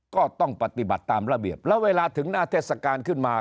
ก็ต้องปฏิบัติตามระเบียบแล้วเวลาถึงหน้าเทศกาลขึ้นมา